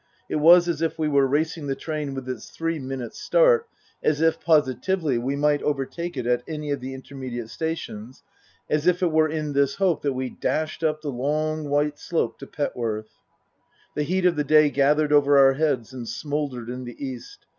It was as if we were racing the train with its three minutes' start, as if, positively, we might overtake it at ariy of the inter mediate stations, as if it were in this hope that we dashed up the long white slope to Pet worth. The heat of the day gathered over our heads and smouldered in the east.